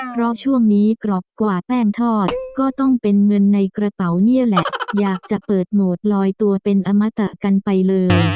เพราะช่วงนี้กรอบกว่าแป้งทอดก็ต้องเป็นเงินในกระเป๋านี่แหละอยากจะเปิดโหมดลอยตัวเป็นอมตะกันไปเลย